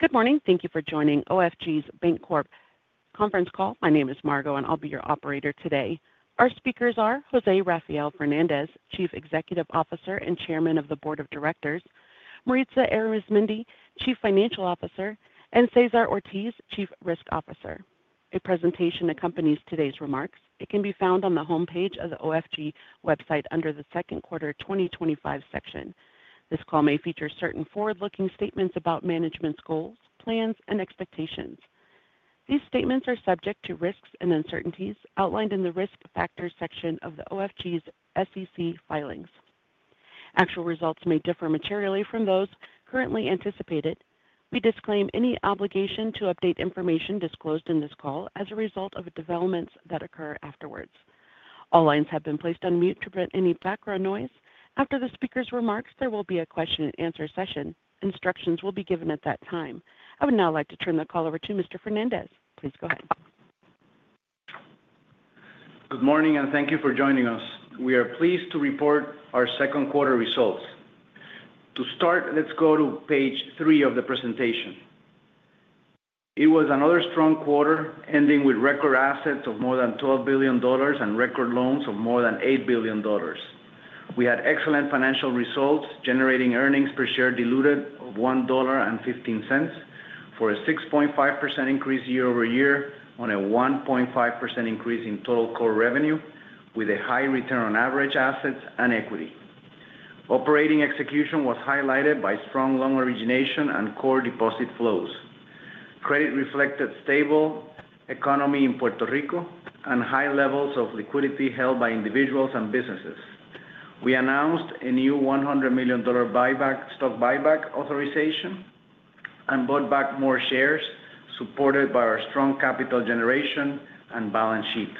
Good morning. Thank you for joining OFG Bancorp's conference call. My name is Margo, and I'll be your operator today. Our speakers are José Rafael Fernández, Chief Executive Officer and Chairman of the Board of Directors, Maritza Arizmendi, Chief Financial Officer, and César Ortiz, Chief Risk Officer. A presentation accompanies today's remarks. It can be found on the homepage of the OFG website under the Second Quarter 2025 section. This call may feature certain forward-looking statements about management's goals, plans, and expectations. These statements are subject to risks and uncertainties outlined in the Risk Factors section of OFG's SEC filings. Actual results may differ materially from those currently anticipated. We disclaim any obligation to update information disclosed in this call as a result of developments that occur afterwards. All lines have been placed on mute to prevent any background noise. After the speakers' remarks, there will be a question and answer session. Instructions will be given at that time. I would now like to turn the call over to Mr. Fernández. Please go ahead. Good morning, and thank you for joining us. We are pleased to report our second quarter results. To start, let's go to page three of the presentation. It was another strong quarter, ending with record assets of more than $12 billion and record loans of more than $8 billion. We had excellent financial results, generating diluted earnings per share of $1.15 for a 6.5% increase year-over-year on a 1.5% increase in total core revenue, with a high return on average assets and equity. Operating execution was highlighted by strong loan origination and core deposit flows. Credit reflected a stable economy in Puerto Rico and high levels of liquidity held by individuals and businesses. We announced a new $100 million buyback, stock buyback authorization and bought back more shares, supported by our strong capital generation and balance sheet.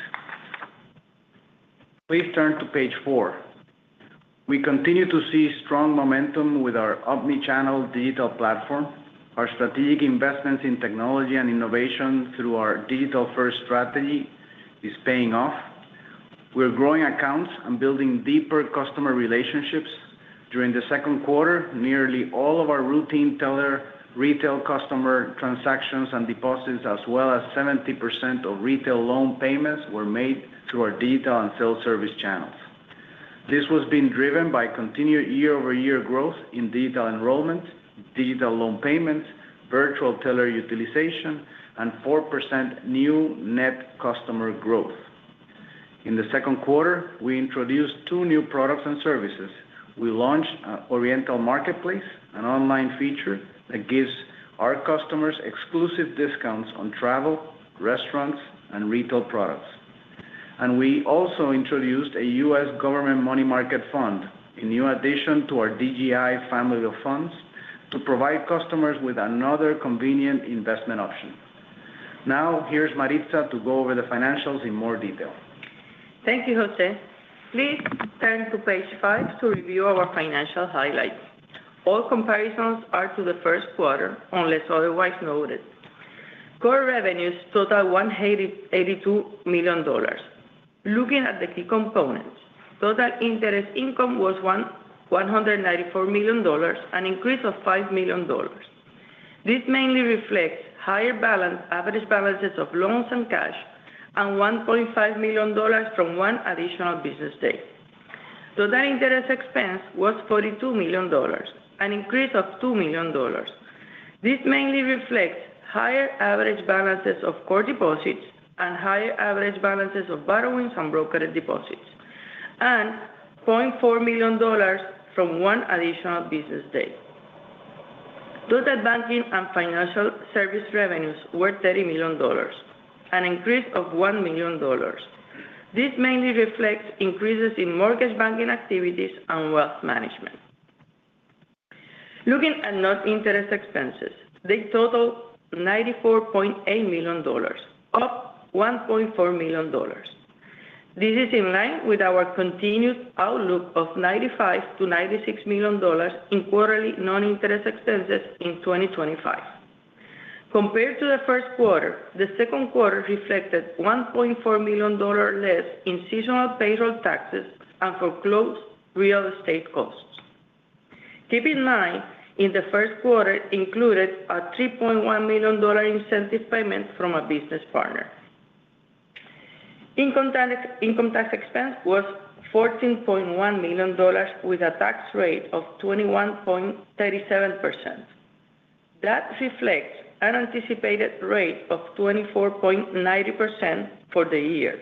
Please turn to page four. We continue to see strong momentum with our omnichannel digital banking platform. Our strategic investments in technology and innovation through our digital-first strategy are paying off. We're growing accounts and building deeper customer relationships. During the second quarter, nearly all of our routine teller retail customer transactions and deposits, as well as 70% of retail loan payments, were made through our digital and self-service channels. This was being driven by continued year-over-year growth in digital enrollments, digital loan payments, virtual teller utilization, and 4% new net customer growth. In the second quarter, we introduced two new products and services. We launched Oriental Marketplace, an online feature that gives our customers exclusive discounts on travel, restaurants, and retail products. We also introduced a U.S. government money market fund, a new addition to our DGI Family of Funds, to provide customers with another convenient investment option. Now, here's Maritza to go over the financials in more detail. Thank you, José. Please turn to page five to review our financial highlights. All comparisons are to the first quarter, unless otherwise noted. Core revenues total $182 million. Looking at the key components, total interest income was $194 million, an increase of $5 million. This mainly reflects higher average balances of loans and cash, and $1.5 million from one additional business day. Total interest expense was $42 million, an increase of $2 million. This mainly reflects higher average balances of core deposits and higher average balances of borrowings and broker deposits, and $400,000 from one additional business day. Total banking and financial service revenues were $30 million, an increase of $1 million. This mainly reflects increases in mortgage banking activities and wealth management. Looking at net interest expenses, they total $94.8 million, up $1.4 million. This is in line with our continued outlook of $95 million-$96 million in quarterly non-interest expenses in 2025. Compared to the first quarter, the second quarter reflected $1.4 million less in seasonal payroll taxes and foreclosed real estate costs. Keep in mind, in the first quarter, included a $3.1 million incentive payment from a business partner. Income tax expense was $14.1 million, with a tax rate of 21.37%. That reflects an anticipated rate of 24.90% for the year,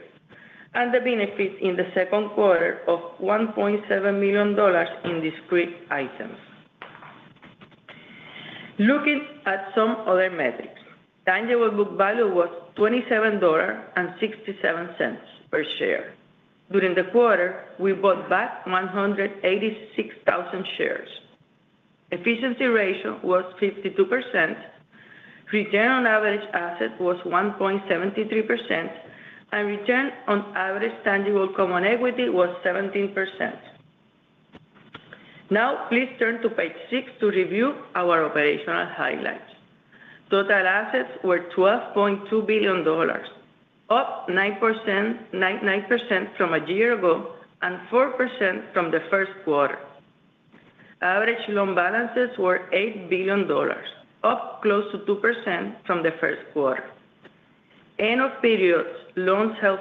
and the benefits in the second quarter of $1.7 million in discrete items. Looking at some other metrics, time-to-equal book value was $27.67 per share. During the quarter, we bought back 186,000 shares. Efficiency ratio was 52%. Return on average assets was 1.73%, and return on average tangible common equity was 17%. Now, please turn to page six to review our operational highlights. Total assets were $12.2 billion, up 9.9% from a year ago and 4% from the first quarter. Average loan balances were $8 billion, up close to 2% from the first quarter. End of period loans held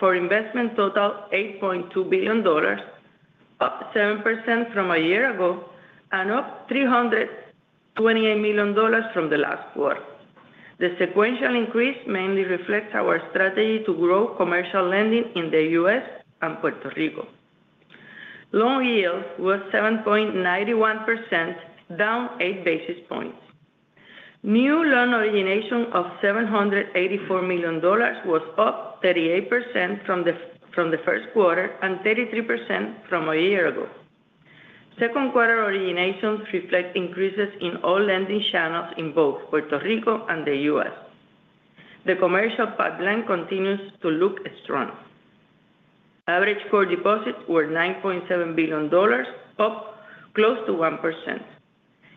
for investment total $8.2 billion, up 7% from a year ago, and up $328 million from the last quarter. The sequential increase mainly reflects our strategy to grow commercial lending in the U.S. and Puerto Rico. Loan yield was 7.91%, down eight basis points. New loan origination of $784 million was up 38% from the first quarter and 33% from a year ago. Second quarter originations reflect increases in all lending channels in both Puerto Rico and the U.S. The commercial pipeline continues to look strong. Average core deposits were $9.7 billion, up close to 1%.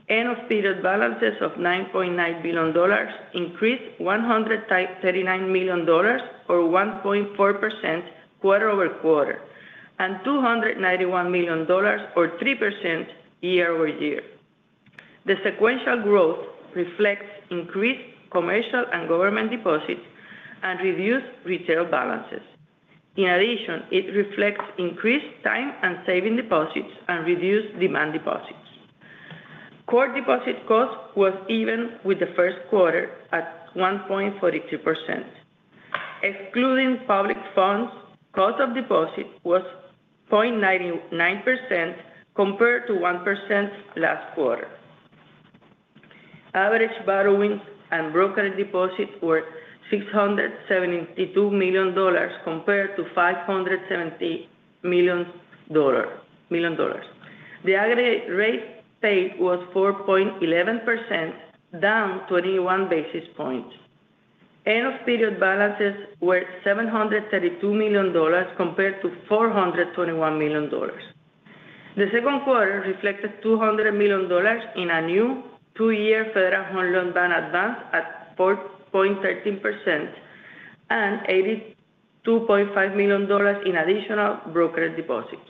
End of period balances of $9.9 billion increased $139 million, or 1.4% quarter-over-quarter, and $291 million, or 3% year-over-year. The sequential growth reflects increased commercial and government deposits and reduced retail balances. In addition, it reflects increased time and saving deposits and reduced demand deposits. Core deposit cost was even with the first quarter at 1.43%. Excluding public funds, cost of deposit was 0.99% compared to 1% last quarter. Average borrowings and broker deposits were $672 million compared to $570 million. The aggregate rate paid was 4.11%, down 21 basis points. End of period balances were $732 million compared to $421 million. The second quarter reflected $200 million in a new two-year Federal Home Loan Bank advance at 4.13% and $82.5 million in additional brokered deposits.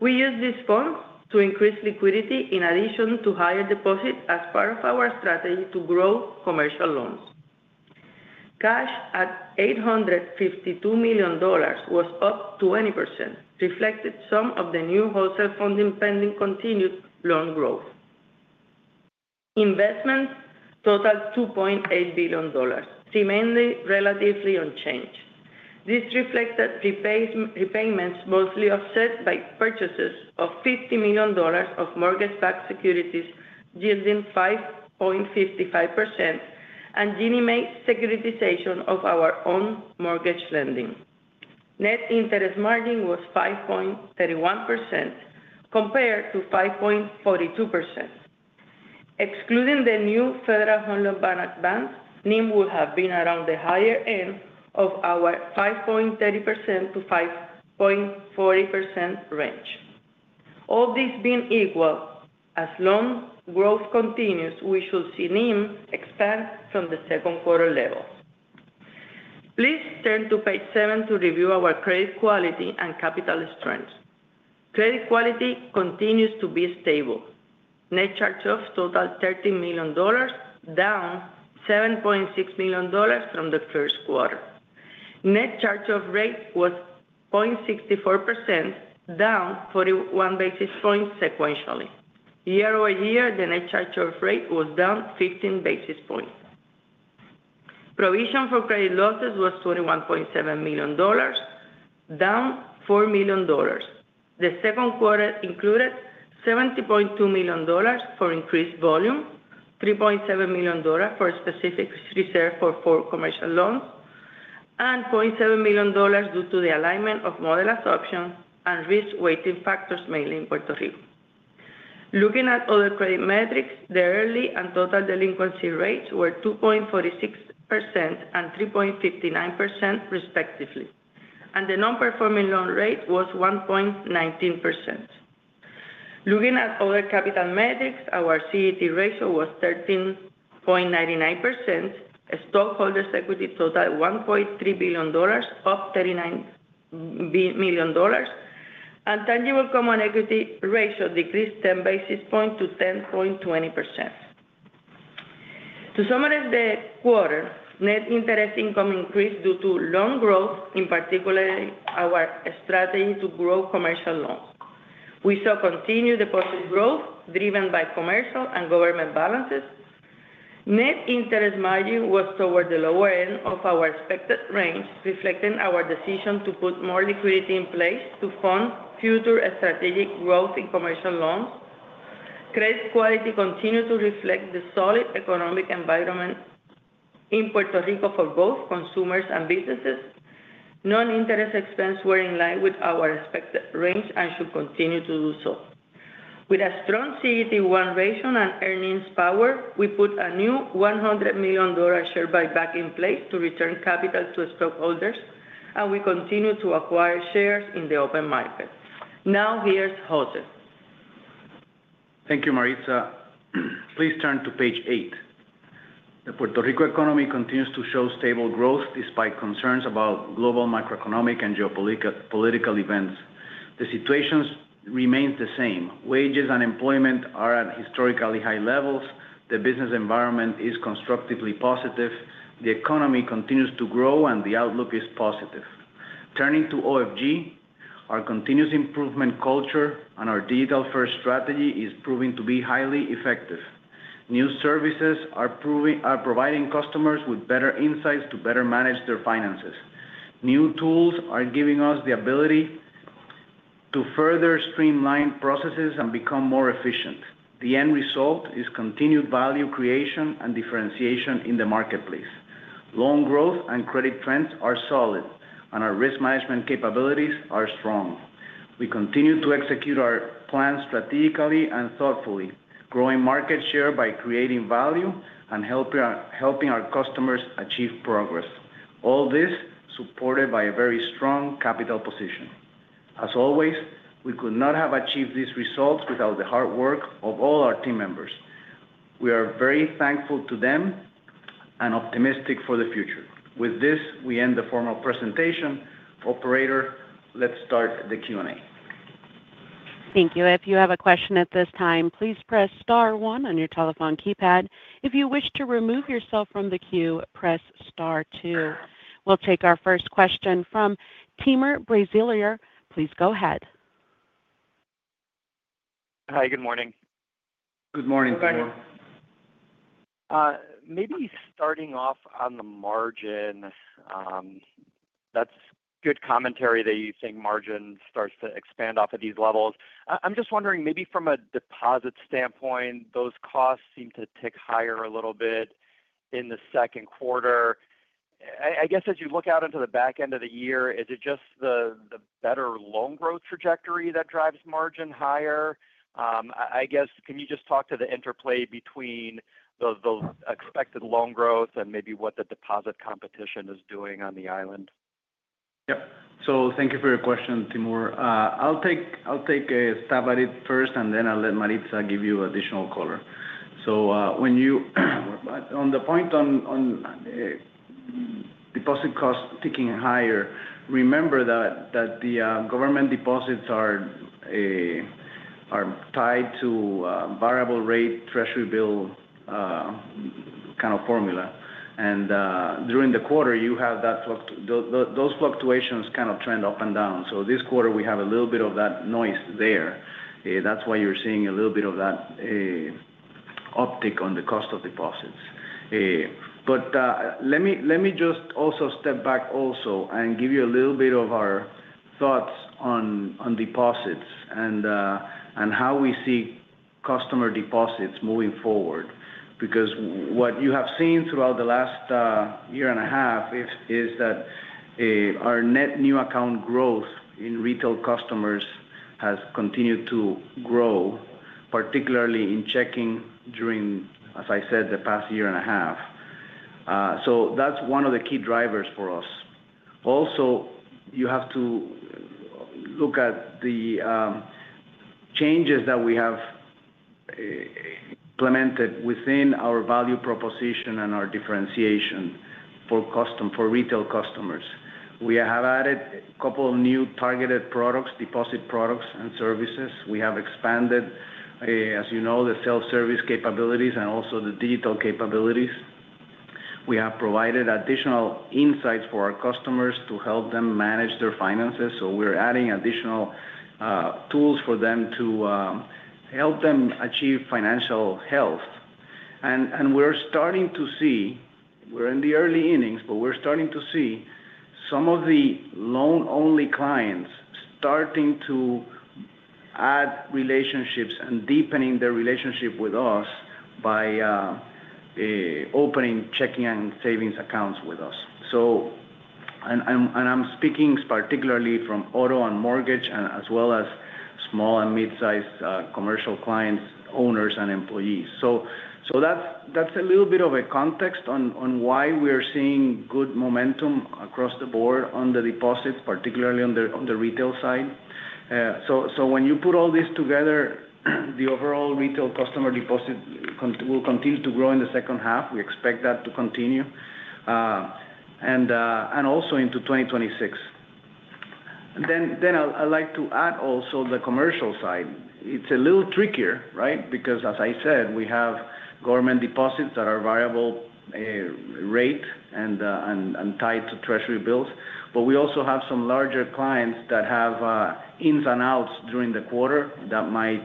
We used this funding to increase liquidity in addition to higher deposits as part of our strategy to grow commercial loans. Cash at $852 million was up 20%, reflected some of the new wholesale funding pending continued loan growth. Investments totaled $2.8 billion, remaining relatively unchanged. This reflected repayments mostly offset by purchases of $50 million of mortgage-backed securities, yielding 5.55%, and genuine securitization of our own mortgage lending. Net interest margin was 5.31% compared to 5.42%. Excluding the new Federal Home Loan Bank advance, NIM would have been around the higher end of our 5.30%-5.40% range. All this being equal, as loan growth continues, we should see NIM expand from the second quarter level. Please turn to page seven to review our credit quality and capital strength. Credit quality continues to be stable. Net charge-offs totaled $13 million, down $7.6 million from the first quarter. Net charge-off rate was 0.64%, down 41 basis points sequentially. Year-over-year, the net charge-off rate was down 15 basis points. Provision for credit losses was $21.7 million, down $4 million. The second quarter included $70.2 million for increased volume, $3.7 million for specific reserves for commercial loans, and $0.7 million due to the alignment of model adoption and risk-weighting factors, mainly in Puerto Rico. Looking at other credit metrics, the early and total delinquency rates were 2.46% and 3.59%, respectively. The non-performing loan rate was 1.19%. Looking at other capital metrics, our CET1 ratio was 13.99%, stockholders' equity totaled $1.3 billion, up $39 million, and tangible common equity ratio decreased 10 basis points to 10.20%. To summarize the quarter, net interest income increased due to loan growth, in particular our strategy to grow commercial loans. We saw continued deposit growth driven by commercial and government balances. Net interest margin was toward the lower end of our expected range, reflecting our decision to put more liquidity in place to fund future strategic growth in commercial loans. Credit quality continued to reflect the solid economic environment in Puerto Rico for both consumers and businesses. Non-interest expense was in line with our expected range and should continue to do so. With a strong CET1 ratio and earnings power, we put a new $100 million share buyback in place to return capital to stockholders, and we continue to acquire shares in the open market. Now, here's José. Thank you, Maritza. Please turn to page eight. The Puerto Rico economy continues to show stable growth despite concerns about global macroeconomic and geopolitical events. The situation remains the same. Wages and employment are at historically high levels. The business environment is constructively positive. The economy continues to grow, and the outlook is positive. Turning to OFG, our continuous improvement culture and our digital-first strategy are proving to be highly effective. New services are providing customers with better insights to better manage their finances. New tools are giving us the ability to further streamline processes and become more efficient. The end result is continued value creation and differentiation in the marketplace. Loan growth and credit trends are solid, and our risk management capabilities are strong. We continue to execute our plans strategically and thoughtfully, growing market share by creating value and helping our customers achieve progress. All this supported by a very strong capital position. As always, we could not have achieved these results without the hard work of all our team members. We are very thankful to them and optimistic for the future. With this, we end the formal presentation. Operator, let's start the Q&A. Thank you. If you have a question at this time, please press star one on your telephone keypad. If you wish to remove yourself from the queue, press star two. We'll take our first question from Timur Braziler. Please go ahead. Hi, good morning. Good morning, Timur. Maybe starting off on the margins. That's good commentary that you think margin starts to expand off of these levels. I'm just wondering, maybe from a deposit standpoint, those costs seem to tick higher a little bit in the second quarter. I guess as you look out into the back end of the year, is it just the better loan growth trajectory that drives margin higher? I guess, can you just talk to the interplay between the expected loan growth and maybe what the deposit competition is doing on the island? Yeah. Thank you for your question, Timur. I'll take a stab at it first, and then I'll let Maritza give you additional color. When you, on the point on deposit costs ticking higher, remember that the government deposits are tied to a variable rate treasury bill kind of formula. During the quarter, you have those fluctuations kind of trend up and down. This quarter, we have a little bit of that noise there. That's why you're seeing a little bit of that uptick on the cost of deposits. Let me just also step back and give you a little bit of our thoughts on deposits and how we see customer deposits moving forward. What you have seen throughout the last year and a half is that our net new account growth in retail customers has continued to grow, particularly in checking during, as I said, the past year and a half. That's one of the key drivers for us. You have to look at the changes that we have implemented within our value proposition and our differentiation for retail customers. We have added a couple of new targeted products, deposit products and services. We have expanded, as you know, the self-service capabilities and also the digital capabilities. We have provided additional insights for our customers to help them manage their finances. We're adding additional tools for them to help them achieve financial health. We're starting to see, we're in the early innings, but we're starting to see some of the loan-only clients starting to add relationships and deepening their relationship with us by opening checking and savings accounts with us. I'm speaking particularly from auto and mortgage, as well as small and mid-sized commercial clients, owners, and employees. That's a little bit of a context on why we are seeing good momentum across the board on the deposits, particularly on the retail side. When you put all this together, the overall retail customer deposit will continue to grow in the second half. We expect that to continue, and also into 2026. I'd like to add also the commercial side. It's a little trickier, right? As I said, we have government deposits that are variable rate and tied to treasury bills. We also have some larger clients that have ins and outs during the quarter that might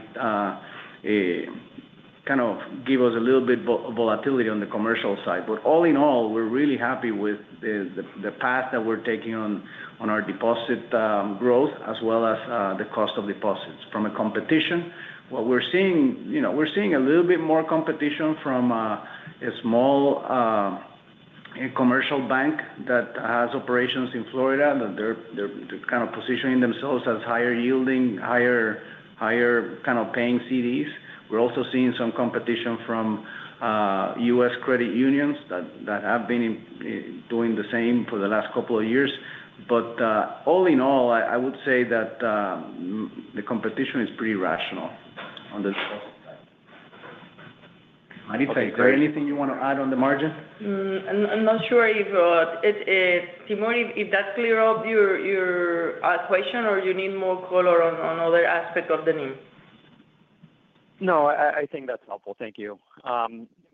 kind of give us a little bit of volatility on the commercial side. All in all, we're really happy with the path that we're taking on our deposit growth, as well as the cost of deposits. From a competition, what we're seeing, you know, we're seeing a little bit more competition from a small commercial bank that has operations in Florida, that they're kind of positioning themselves as higher yielding, higher kind of paying CDs. We're also seeing some competition from U.S. credit unions that have been doing the same for the last couple of years. All in all, I would say that the competition is pretty rational on the short term. Maritza, is there anything you want to add on the margin? I'm not sure if, Timur, if that cleared up your question or you need more color on other aspects of the NIM. No, I think that's helpful. Thank you.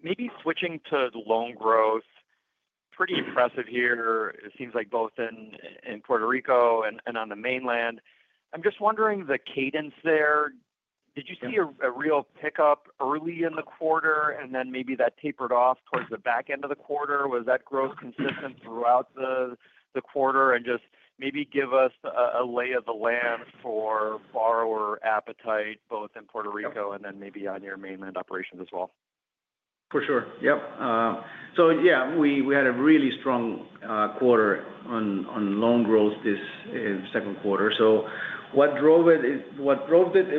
Maybe switching to the loan growth, pretty impressive here. It seems like both in Puerto Rico and on the Mainland. I'm just wondering the cadence there. Did you see a real pickup early in the quarter, and then maybe that tapered off towards the back end of the quarter? Was that growth consistent throughout the quarter? Just maybe give us a lay of the land for borrower appetite, both in Puerto Rico and then maybe on your Mainland operations as well. For sure. Yeah. We had a really strong quarter on loan growth this second quarter. What drove it? It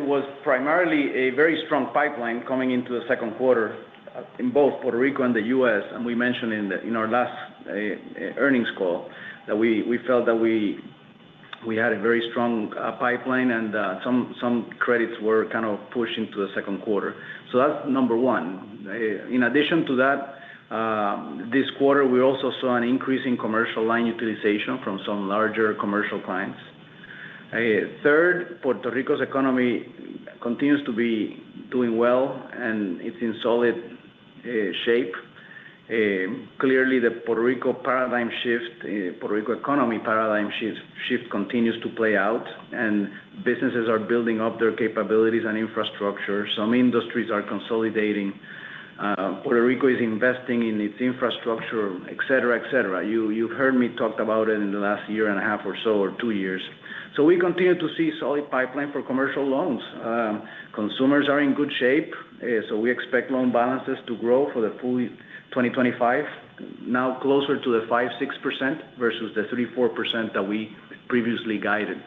was primarily a very strong pipeline coming into the second quarter in both Puerto Rico and the U.S. We mentioned in our last earnings call that we felt that we had a very strong pipeline, and some credits were kind of pushed into the second quarter. That's number one. In addition to that, this quarter, we also saw an increase in commercial line utilization from some larger commercial clients. Third, Puerto Rico's economy continues to be doing well, and it's in solid shape. Clearly, the Puerto Rico economy paradigm shift continues to play out, and businesses are building up their capabilities and infrastructure. Some industries are consolidating. Puerto Rico is investing in its infrastructure, et cetera, et cetera. You've heard me talk about it in the last year and a half or so, or two years. We continue to see a solid pipeline for commercial loans. Consumers are in good shape. We expect loan balances to grow for the full 2025, now closer to the 5%, 6% versus the 3%, 4% that we previously guided.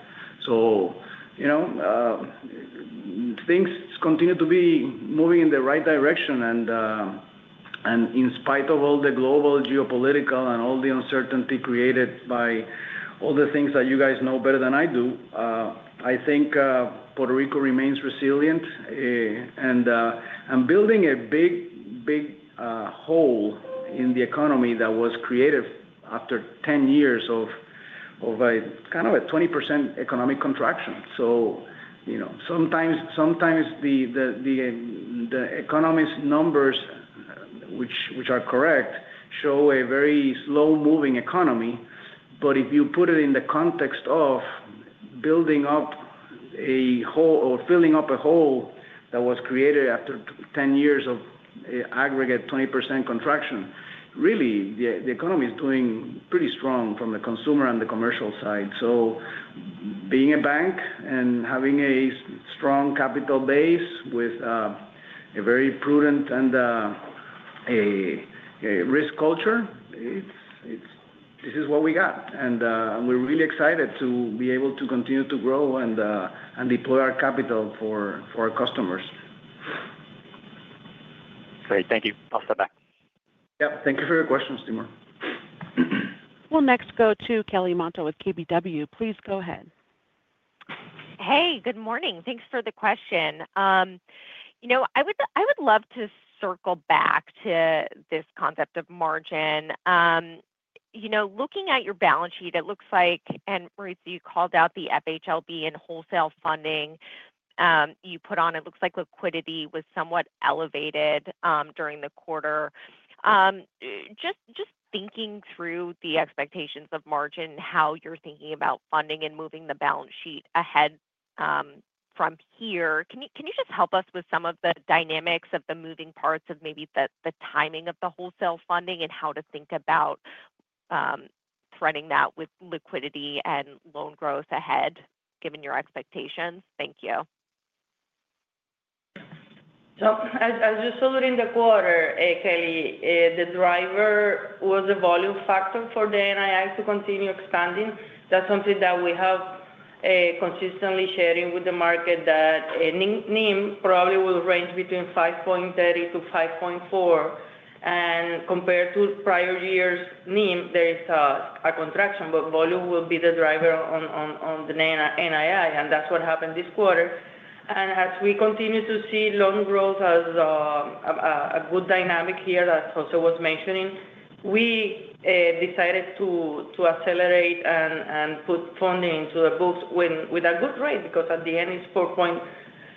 Things continue to be moving in the right direction. In spite of all the global geopolitical and all the uncertainty created by all the things that you guys know better than I do, I think Puerto Rico remains resilient and building a big, big hole in the economy that was created after 10 years of kind of a 20% economic contraction. Sometimes the economist's numbers, which are correct, show a very slow-moving economy. But if you put it in the context of building up a hole or filling up a hole that was created after 10 years of aggregate 20% contraction, really, the economy is doing pretty strong from the consumer and the commercial side. Being a bank and having a strong capital base with a very prudent and a risk culture, this is what we got. We're really excited to be able to continue to grow and deploy our capital for our customers. Great. Thank you. I'll step back. Yeah, thank you for your questions, Timur. We'll next go to Kelly Motta with KBW. Please go ahead. Hey, good morning. Thanks for the question. I would love to circle back to this concept of margin. Looking at your balance sheet, it looks like, and Maritza, you called out the FHLB and wholesale funding you put on. It looks like liquidity was somewhat elevated during the quarter. Just thinking through the expectations of margin and how you're thinking about funding and moving the balance sheet ahead from here, can you just help us with some of the dynamics of the moving parts of maybe the timing of the wholesale funding and how to think about threading that with liquidity and loan growth ahead, given your expectations? Thank you. As you saw during the quarter, Kelly, the driver was the volume factor for the NII to continue expanding. That's something that we have consistently shared with the market, that NIM probably will range between 5.30%-5.4%. Compared to prior years' NIM, there is a contraction, but volume will be the driver on the NII. That's what happened this quarter. As we continue to see loan growth as a good dynamic here that José was mentioning, we decided to accelerate and put funding into the books with a good rate because at the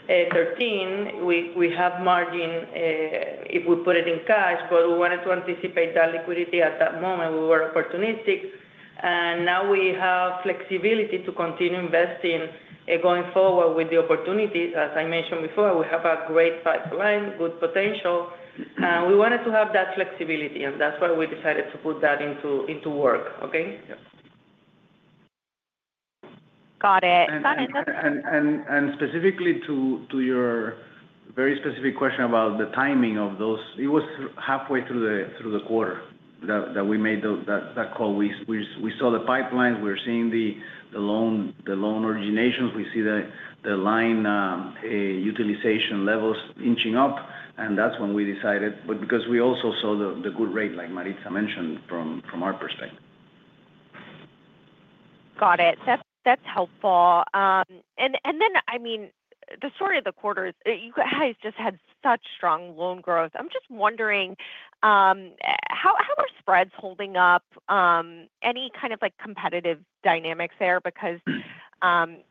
end, it's 4.13%. We have margin if we put it in cash, but we wanted to anticipate that liquidity at that moment. We were opportunistic, and now we have flexibility to continue investing going forward with the opportunity. As I mentioned before, we have a great pipeline, good potential, and we wanted to have that flexibility. That's why we decided to put that into work, okay? Got it. Got it. Specifically to your very specific question about the timing of those, it was halfway through the quarter that we made that call. We saw the pipeline. We're seeing the loan originations. We see the line utilization levels inching up. That's when we decided, because we also saw the good rate, like Maritza mentioned, from our perspective. Got it. That's helpful. The story of the quarter, you guys just had such strong loan growth. I'm just wondering, how are spreads holding up? Any kind of like competitive dynamics there? Because, José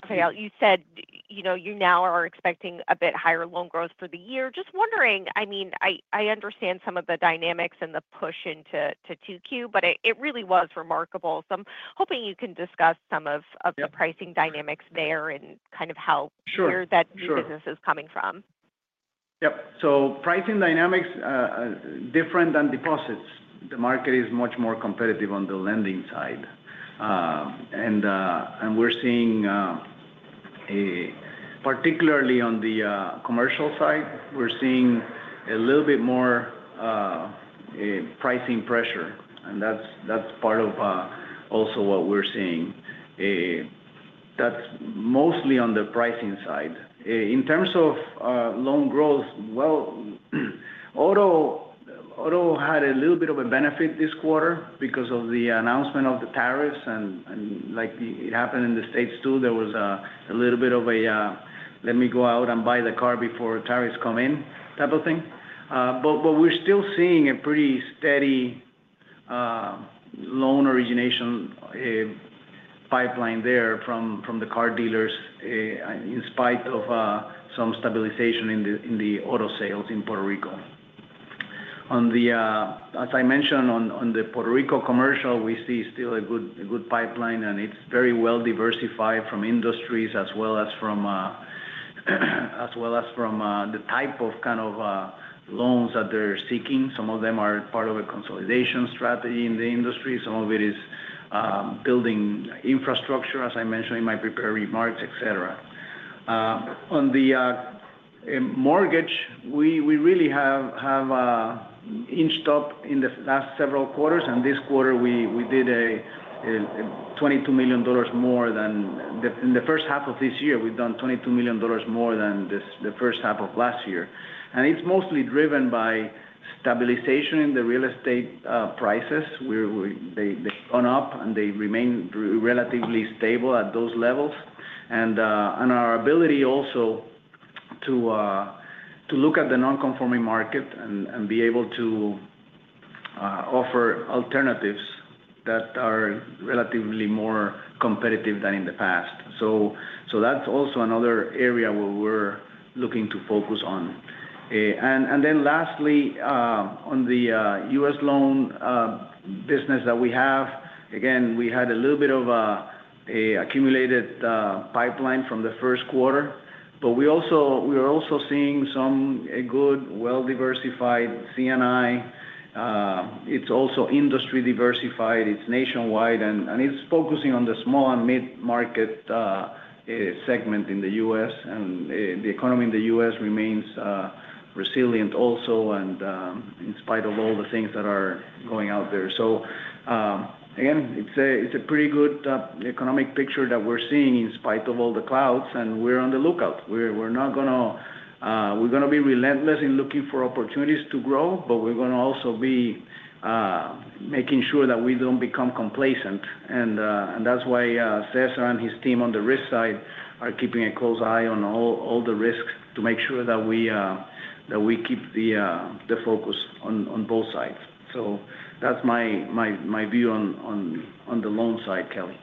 Rafael, you said you know you now are expecting a bit higher loan growth for the year. Just wondering, I understand some of the dynamics and the push into Q2, but it really was remarkable. I'm hoping you can discuss some of the pricing dynamics there and kind of how where that business is coming from? Yes. Pricing dynamics are different than deposits. The market is much more competitive on the lending side. We're seeing, particularly on the commercial side, a little bit more pricing pressure. That's mostly on the pricing side. In terms of loan growth, auto had a little bit of a benefit this quarter because of the announcement of the tariffs. Like it happened in the States, too, there was a little bit of a, "Let me go out and buy the car before tariffs come in," type of thing. We're still seeing a pretty steady loan origination pipeline there from the car dealers in spite of some stabilization in the auto sales in Puerto Rico. As I mentioned, on the Puerto Rico commercial, we see still a good pipeline, and it's very well diversified from industries as well as from the type of loans that they're seeking. Some of them are part of a consolidation strategy in the industry. Some of it is building infrastructure, as I mentioned in my prepared remarks, etc. On the mortgage, we really have inched up in the last several quarters. This quarter, we did $22 million more than in the first half of this year. We've done $22 million more than the first half of last year. It's mostly driven by stabilization in the real estate prices. They've gone up, and they remain relatively stable at those levels. Our ability also to look at the non-conforming market and be able to offer alternatives that are relatively more competitive than in the past. That's also another area where we're looking to focus on. Lastly, on the U.S. loan business that we have, we had a little bit of an accumulated pipeline from the first quarter. We are also seeing some good, well-diversified CNI. It's also industry diversified. It's nationwide. It's focusing on the small and mid-market segment in the U.S. The economy in the U.S. remains resilient also, in spite of all the things that are going out there. It's a pretty good economic picture that we're seeing in spite of all the clouds. We're on the lookout. We're going to be relentless in looking for opportunities to grow, but we're going to also be making sure that we don't become complacent. That's why César and his team on the risk side are keeping a close eye on all the risks to make sure that we keep the focus on both sides. That's my view on the loan side, Kelly.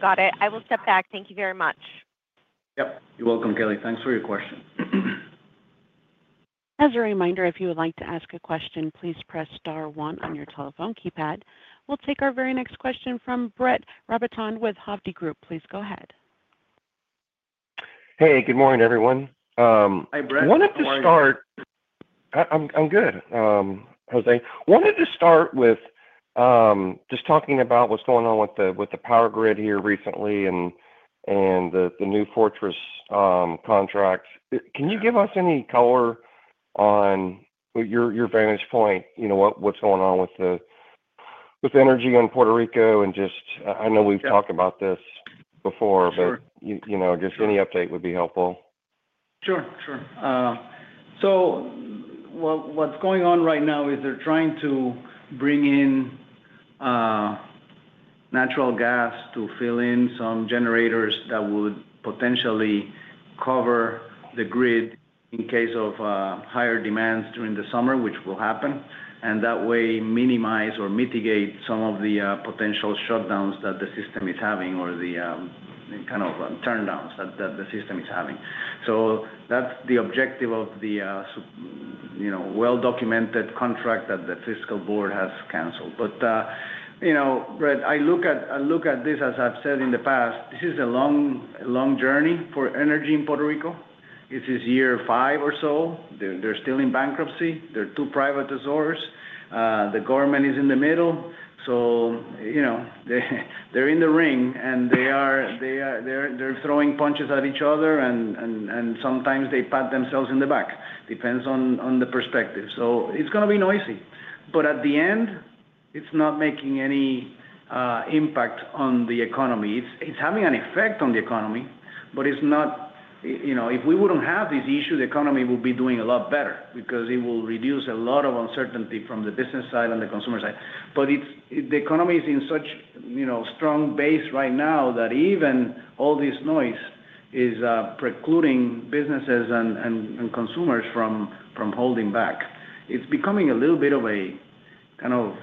Got it. I will step back. Thank you very much. Yeah, you're welcome, Kelly. Thanks for your questions. As a reminder, if you would like to ask a question, please press star one on your telephone keypad. We'll take our very next question from Brett Rabatin with Hovde Group. Please go ahead. Hey, good morning, everyone. Hi, Brett. How are you? I wanted to start. I'm good, José. I wanted to start with just talking about what's going on with the power grid here recently and the new Fortress contract. Can you give us any color on your vantage point, you know what's going on with the energy in Puerto Rico? I know we've talked about this before, but I guess any update would be helpful. Sure, sure. What's going on right now is they're trying to bring in natural gas to fill in some generators that would potentially cover the grid in case of higher demands during the summer, which will happen. That way, minimize or mitigate some of the potential shutdowns that the system is having or the kind of turndowns that the system is having. That's the objective of the well-documented contract that the fiscal board has canceled. Brett, I look at this, as I've said in the past, this is a long, long journey for energy in Puerto Rico. This is year five or so. They're still in bankruptcy. There are two private resorts. The government is in the middle. They're in the ring, and they're throwing punches at each other, and sometimes they pat themselves on the back. It depends on the perspective. It's going to be noisy. At the end, it's not making any impact on the economy. It's having an effect on the economy, but if we wouldn't have this issue, the economy would be doing a lot better because it would reduce a lot of uncertainty from the business side and the consumer side. The economy is in such a strong base right now that even all this noise is precluding businesses and consumers from holding back. It's becoming a little bit of a kind of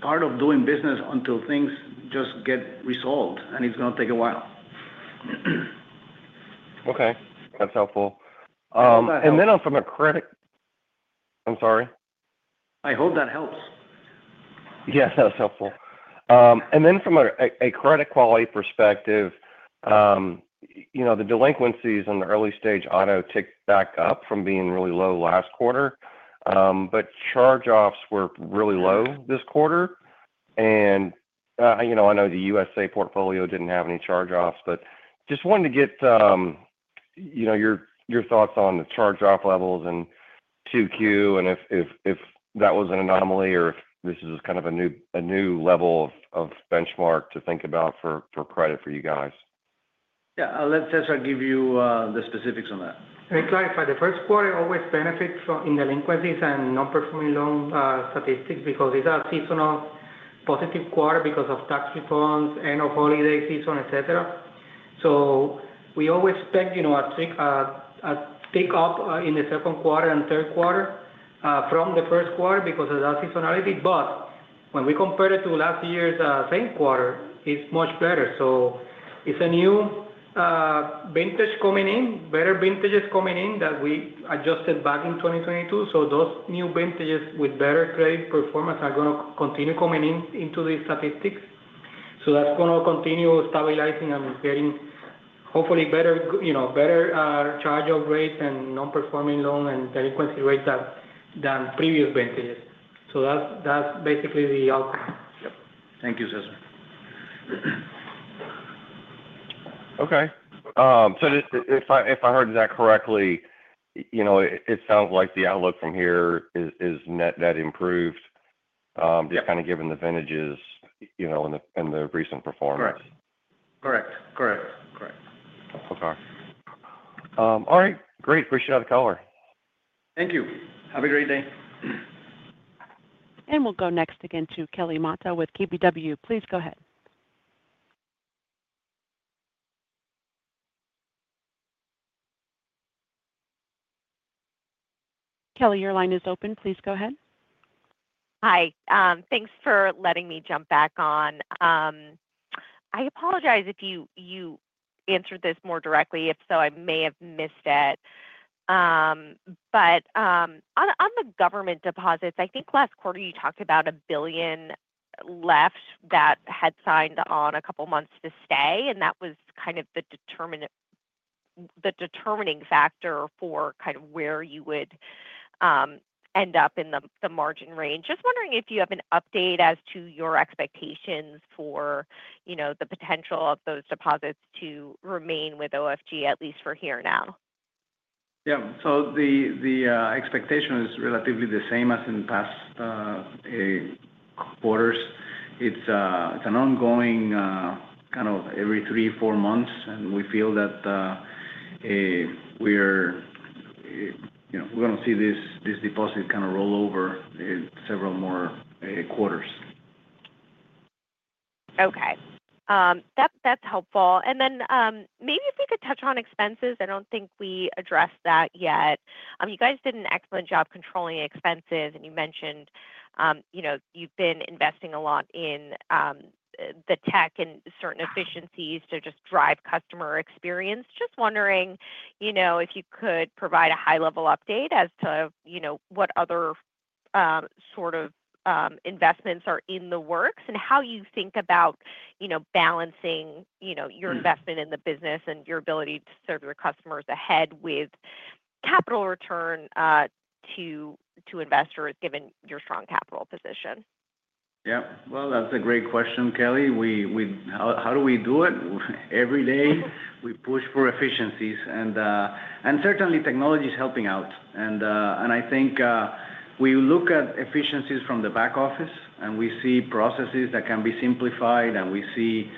part of doing business until things just get resolved. It's going to take a while. Okay, that's helpful. From a credit. I'm sorry? I hope that helps. Yeah, that was helpful. From a credit quality perspective, the delinquencies in the early-stage auto ticked back up from being really low last quarter. Charge-offs were really low this quarter. I know the U.S.A. portfolio didn't have any charge-offs, but just wanted to get your thoughts on the charge-off levels in Q2, and if that was an anomaly or if this is kind of a new level of benchmark to think about for credit for you guys. Yeah, I'll let César give you the specifics on that. Let me clarify. The first quarter always benefits from delinquencies and non-performing loan statistics because these are seasonal positive quarters because of tax reforms, end of holiday season, etc. We always expect a tick up in the second quarter and third quarter from the first quarter because of that seasonality. When we compare it to last year's same quarter, it's much better. It's a new vintage coming in, better vintages coming in that we adjusted back in 2022. Those new vintages with better credit performance are going to continue coming into these statistics. That's going to continue stabilizing and getting hopefully better, you know, better charge-off rate and non-performing loan and delinquency rate than previous vintages. That's basically the outcome. Yeah, thank you, César. Okay. If I heard that correctly, it sounds like the outlook from here is net-net improved, just kind of given the vintages and the recent performance. Correct. Correct. Correct. Okay. All right. Great. Appreciate all the color. Thank you. Have a great day. We will go next to Kelly Motta with KBW. Please go ahead. Kelly, your line is open. Please go ahead. Hi. Thanks for letting me jump back on. I apologize if you answered this more directly. If so, I may have missed it. On the government deposits, I think last quarter you talked about $1 billion left that had signed on a couple of months to stay. That was kind of the determining factor for where you would end up in the margin range. Just wondering if you have an update as to your expectations for the potential of those deposits to remain with OFG, at least for here now. The expectation is relatively the same as in the past quarters. It's an ongoing kind of every three, four months, and we feel that we're going to see this deposit kind of roll over several more quarters. Okay. That's helpful. Maybe if we could touch on expenses, I don't think we addressed that yet. You guys did an excellent job controlling expenses. You mentioned you've been investing a lot in the tech and certain efficiencies to just drive customer experience. Just wondering if you could provide a high-level update as to what other sort of investments are in the works and how you think about balancing your investment in the business and your ability to serve your customers ahead with capital return to investors, given your strong capital position. That's a great question, Kelly. How do we do it? Every day, we push for efficiencies. Certainly, technology is helping out. I think we look at efficiencies from the back office, and we see processes that can be simplified. We see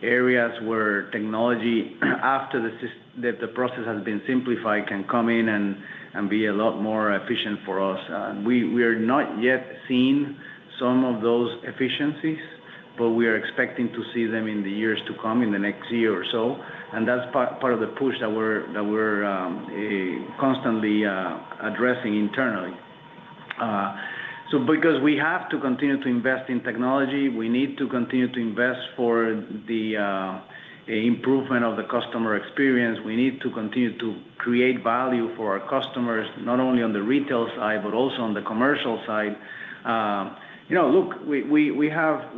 areas where technology, after the process has been simplified, can come in and be a lot more efficient for us. We are not yet seeing some of those efficiencies, but we are expecting to see them in the years to come, in the next year or so. That's part of the push that we're constantly addressing internally. Because we have to continue to invest in technology, we need to continue to invest for the improvement of the customer experience. We need to continue to create value for our customers, not only on the retail side, but also on the commercial side. You know, look, we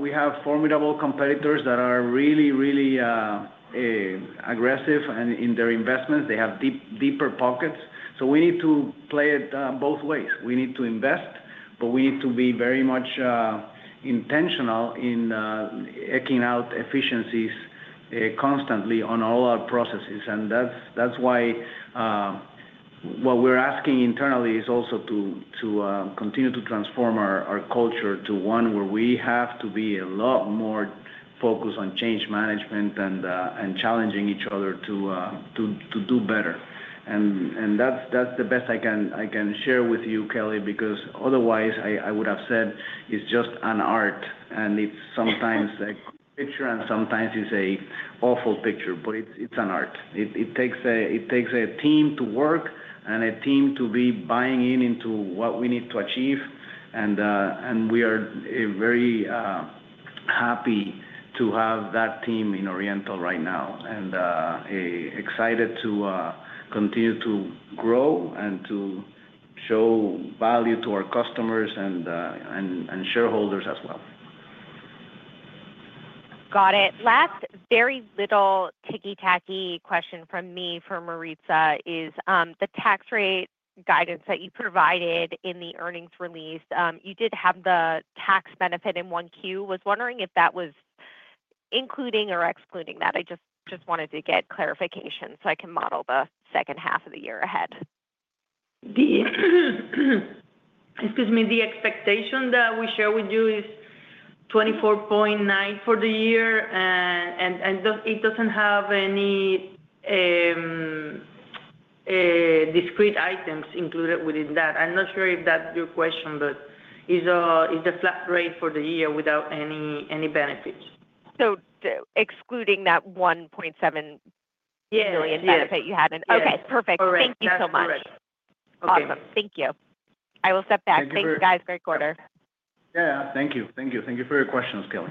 have formidable competitors that are really, really aggressive in their investments. They have deeper pockets. We need to play it both ways. We need to invest, but we need to be very much intentional in eking out efficiencies constantly on all our processes. That's why what we're asking internally is also to continue to transform our culture to one where we have to be a lot more focused on change management and challenging each other to do better. That's the best I can share with you, Kelly, because otherwise, I would have said it's just an art. It's sometimes a picture, and sometimes it's an awful picture, but it's an art. It takes a team to work and a team to be buying in into what we need to achieve. We are very happy to have that team in Oriental right now and excited to continue to grow and to show value to our customers and shareholders as well. Got it. Last very little ticky-tacky question from me for Maritza is the tax rate guidance that you provided in the earnings release. You did have the tax benefit in Q1. Was wondering if that was including or excluding that. I just wanted to get clarification so I can model the second half of the year ahead. Excuse me. The expectation that we share with you is 24.9% for the year, and it doesn't have any discrete items included within that. I'm not sure if that's your question, but it is the flat rate for the year without any benefits. Excluding that $1.7 million benefit, you had in earnings. Yes. Okay. Perfect. Thank you so much. All right. Okay, thank you. I will step back. Thanks, guys. Great quarter. Thank you. Thank you for your questions, Kelly.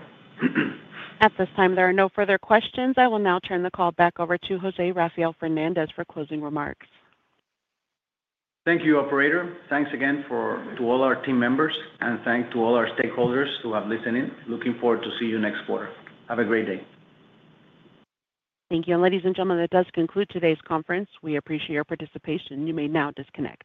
At this time, there are no further questions. I will now turn the call back over to José Rafael Fernández for closing remarks. Thank you, operator. Thanks again to all our team members, and thanks to all our stakeholders who have listened in. Looking forward to seeing you next quarter. Have a great day. Thank you. Ladies and gentlemen, that does conclude today's conference. We appreciate your participation. You may now disconnect.